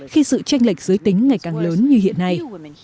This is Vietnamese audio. khi sự tranh lệch giới tính ngày càng lớn như hiện nay